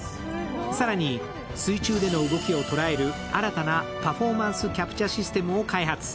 更に水中での動きを捉える新たなパフォーマンスキャプチャシステムを開発。